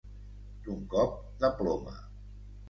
D'un cop de ploma.